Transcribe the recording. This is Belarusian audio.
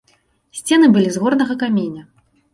Сцены былі з горнага каменя.